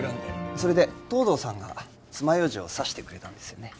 それで藤堂さんが爪楊枝を刺してくれたんですよね